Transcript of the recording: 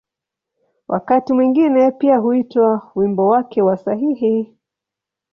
Wakati mwingine pia huitwa ‘’wimbo wake wa sahihi’’.